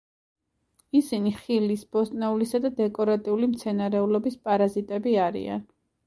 ისინი ხილის, ბოსტნეულისა და დეკორატიული მცენარეულობის პარაზიტები არიან.